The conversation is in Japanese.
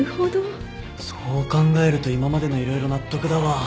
そう考えると今までの色々納得だわ。